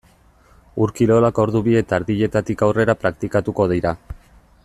Ur-kirolak ordu bi eta erdietatik aurrera praktikatuko dira.